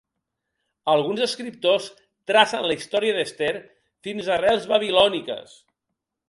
Alguns escriptors tracen la història d'Ester fins a arrels babilòniques.